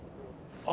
あ！